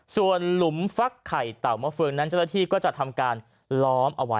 ส่วนหลุมฟักไข่เต่ามฟล์งนั้นเจษฐธีก็จะทำการล้อมเอาว่า